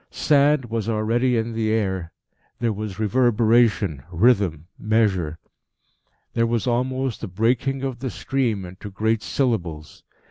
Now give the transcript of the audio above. Sand was already in the air. There was reverberation, rhythm, measure; there was almost the breaking of the stream into great syllables.